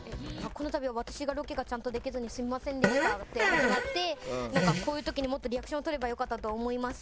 この度は私がロケがちゃんとできずにすみませんでしたから始まってこういう時にもっとリアクションとれば良かったと思います。